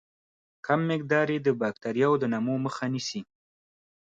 کم مقدار یې د باکتریاوو د نمو مخه نیسي.